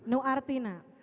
nu arti nak